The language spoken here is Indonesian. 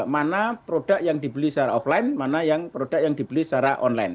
mana produk yang dibeli secara offline mana yang produk yang dibeli secara online